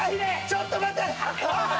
ちょっと待って！